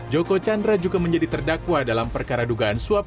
joko chandra juga menjadi terdakwa dalam perkara dugaan suap